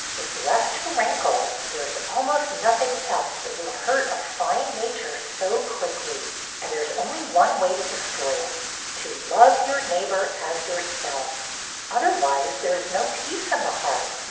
If left to rankle, there is almost nothing else that will hurt a fine nature so quickly. And there 's only one way to destroy it, — to love your neighbor as your self. Otherwise there is no peace in the heart.